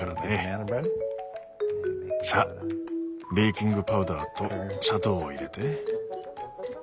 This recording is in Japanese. さあベーキングパウダーと砂糖を入れて。